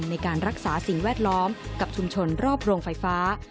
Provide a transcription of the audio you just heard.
ในการรักษาสิ่งแวดล้อมกับชุมชนรอบโรงไฟฟ้า